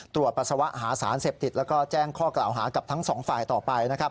ปัสสาวะหาสารเสพติดแล้วก็แจ้งข้อกล่าวหากับทั้งสองฝ่ายต่อไปนะครับ